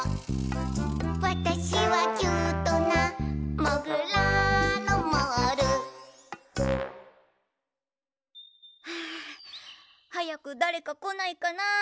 「わたしはキュートなもぐらのモール」ははやくだれかこないかな。